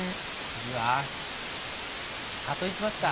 次は「里」いきますか？